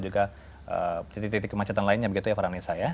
juga titik titik kemacetan lainnya begitu ya farhanisa ya